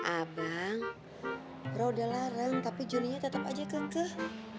abang roh udah larang tapi jonnynya tetap aja kekeh